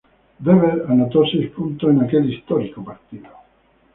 Weber anotó seis puntos en aquel histórico partido.